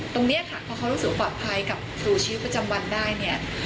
ตรงนี้ค่ะเพราะเขารู้สึกปลอดภัยกับสู่ชีวิตประจำวันได้เนี่ย